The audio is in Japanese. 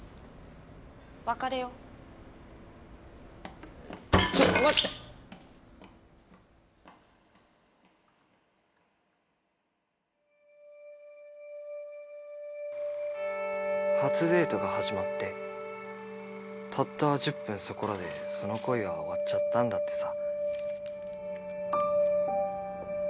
別れよちょっと待って初デートが始まってたった１０分そこらでその恋は終わっちゃったんだってさ